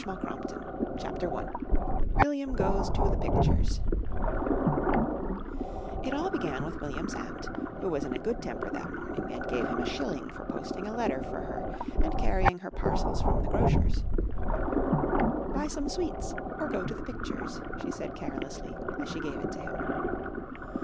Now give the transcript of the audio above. "JUMBLE" 228 CHAPTER I WILLIAM GOES TO THE PICTURES It all began with William's aunt, who was in a good temper that morning, and gave him a shilling for posting a letter for her and carrying her parcels from the grocer's. "Buy some sweets or go to the Pictures," she said carelessly, as she gave it to him.